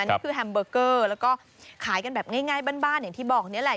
นี่คือแฮมเบอร์เกอร์แล้วก็ขายกันแบบง่ายบ้านอย่างที่บอกนี่แหละ